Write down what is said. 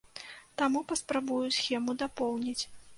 Таму паспрабую схему дапоўніць.